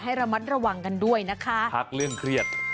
ระมัดระวังกันด้วยนะคะพักเรื่องเครียด